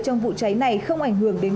trong vụ cháy này không ảnh hưởng đến